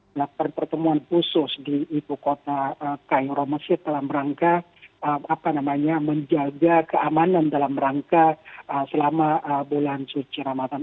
melakukan pertemuan khusus di ibu kota kairo mesir dalam rangka menjaga keamanan dalam rangka selama bulan suci ramadan